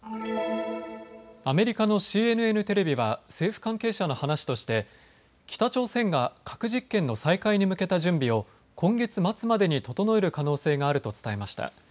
アメリカのＣＮＮテレビは政府関係者の話として北朝鮮が核実験の再開に向けた準備を今月末までに整える可能性があると伝えました。